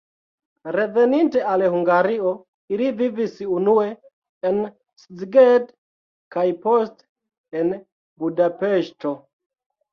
Reveninte al Hungario, ili vivis unue en Szeged kaj poste en Budapeŝto.